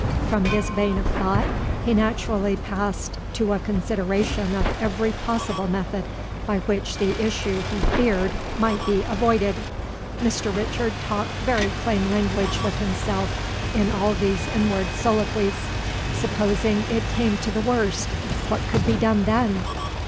From this vein of thought he naturally passed to a consideration of every possible method by which the issue he feared might be avoided. Mr. Richard talked very plain language with himself in all these inward colloquies. Supposing it came to the worst, what could be done then?